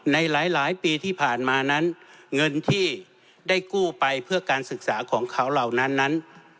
ในหลายปีที่ผ่านมานั้นเงินที่ได้กู้ไปเพื่อการศึกษาของเขาเหล่านั้นนั้น